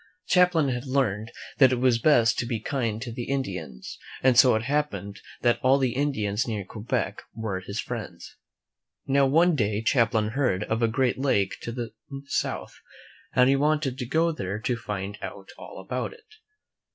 Champlain had learned that it was best to be kind to the Indians, and so it happened that all the Indians near Quebec were his friends. Now, one day Champlain heard of a great lake to the south, and he wanted to go there to find out all about it.